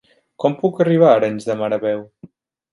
Com puc arribar a Arenys de Mar a peu?